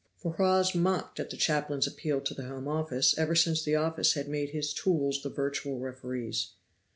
For Hawes mocked at the chaplain's appeal to the Home Office ever since the office had made his tools the virtual referees.